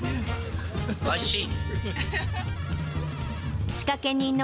おいしい！